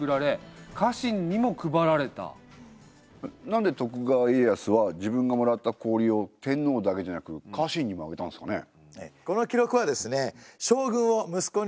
何で徳川家康は自分がもらった氷を天皇だけじゃなく家臣にもあげたんですかね？